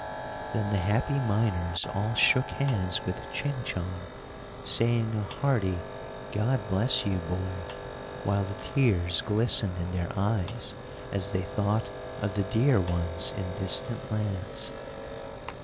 Then the happy miners all shook hands with Ching Chong, saying a hearty "God bless you, boy," while the tears glistened in their eyes, as they thought of the dear ones in distant lands.